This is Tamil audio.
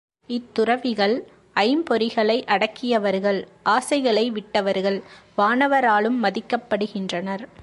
இத்துறவிகள் ஐம்பொறிகளை அடக்கியவர்கள் ஆசைகளை விட்டவர்கள் வானவராலும் மதிக்கப் படுகின்றனர்.